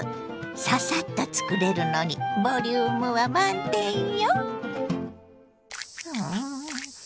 ササッと作れるのにボリュームは満点よ。